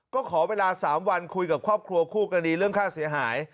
ก็ขอเวลา๓วันคุยกับครอบครัวคู่กรณีเรื่องค่าเสียหาย